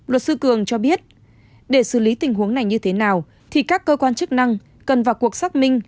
luật sư cường cho biết để xử lý tình huống này như thế nào thì các cơ quan chức năng cần vào cuộc xác minh